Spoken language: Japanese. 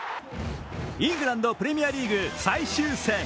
イングランド、プレミアリーグ最終戦。